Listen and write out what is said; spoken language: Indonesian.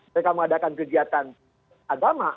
mereka mengadakan kegiatan agama